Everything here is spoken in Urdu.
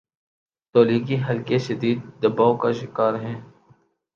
تولیگی حلقے شدید دباؤ کا شکارہیں۔